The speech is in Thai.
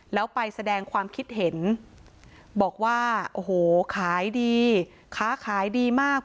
แล้วไปแสดงความคิดเห็นบอกว่าโอ้โหขายดีค้าขายดีมาก